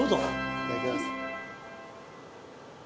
いただきます。